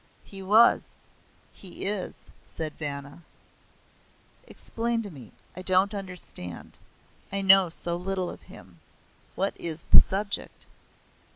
"He was. He is," said Vanna. "Explain to me. I don't understand. I know so little of him. What is the subject?"